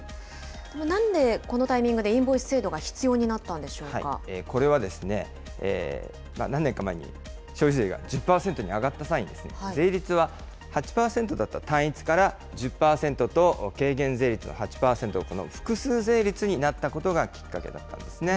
なんでこのタイミングで、インボイス制度が必要になったんでこれは何年か前に消費税が１０％に上がった際に、税率は８％だった単一から１０％と、軽減税率の８％、この複数税率になったことがきっかけだったんですね。